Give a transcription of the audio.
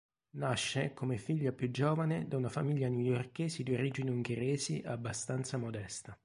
Nasce come figlia più giovane da una famiglia newyorchese di origini ungheresi abbastanza modesta.